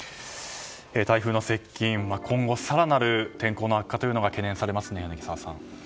台風の接近今後更なる天候の悪化が懸念されますね、柳澤さん。